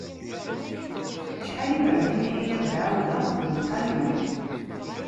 Acḥal iberdan i am-d-ɛiwdeɣ, d lqanun.